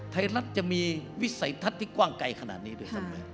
ไทยรัฐจะมีวิสัยทัศน์ที่กว้างไกลขนาดนี้ด้วยซ้ำไหม